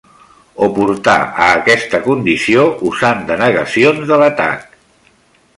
O portar a aquesta condició usant denegacions de l'atac.